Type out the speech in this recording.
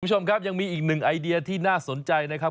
คุณผู้ชมครับยังมีอีกหนึ่งไอเดียที่น่าสนใจนะครับ